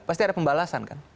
pasti ada pembalasan kan